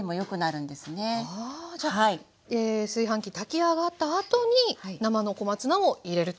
あじゃあ炊飯器炊き上がったあとに生の小松菜を入れると。